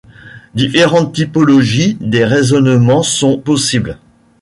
Différentes typologies des raisonnements sont possibles.